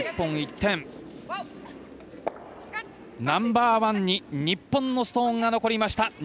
ナンバーワンに日本のストーンが残りました。